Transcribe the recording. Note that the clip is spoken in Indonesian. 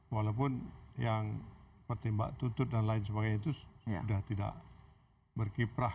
walaupun yang pertimbang tutup dan lain sebagainya itu sudah tidak berkiprah